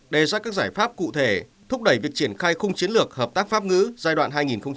đề ra các giải pháp cụ thể thúc đẩy việc triển khai khung chiến lược hợp tác pháp ngữ giai đoạn hai nghìn một mươi sáu hai nghìn hai mươi